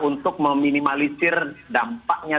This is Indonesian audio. untuk meminimalisir dampaknya